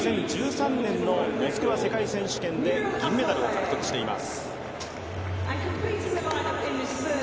２０１３年の世界選手権で銀メダルを獲得しています。